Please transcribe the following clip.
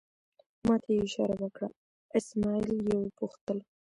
ما ته یې اشاره وکړه، اسمعیل یې وپوښتل.